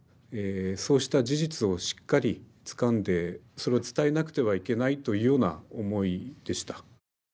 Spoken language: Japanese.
そうした事実をしっかりつかんでそれを伝えなくてはいけないというような思いでした。